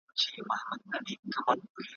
له لاهور تر پاني پټه غلیمان مي تار په تار کې ,